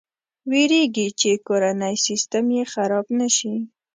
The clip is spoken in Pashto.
ویرېږي چې کورنی سیسټم یې خراب نه شي.